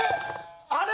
あれ？